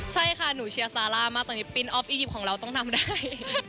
ใช่ค่ะหนูเชียร์ซาร่ามากตอนนี้ปิ้นออฟอียิปต์ของเราต้องทำได้